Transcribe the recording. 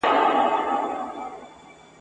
د چا په برخه اولادونه لیکي !.